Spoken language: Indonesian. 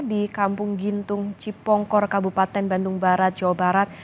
di kampung gintung cipongkor kabupaten bandung barat jawa barat